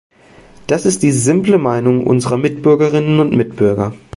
Das ist die simple Meinung unserer Mitbürgerinnen und Mitbürger.